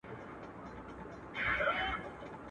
رنګ د جهاني د غزل میو ته لوېدلی دی.